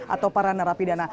atau para narapidana